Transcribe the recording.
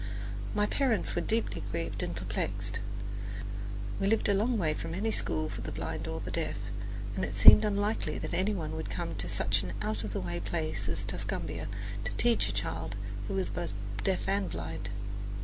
My parents were deeply grieved and perplexed. We lived a long way from any school for the blind or the deaf, and it seemed unlikely that any one would come to such an out of the way place as Tuscumbia to teach a child who was both deaf and blind.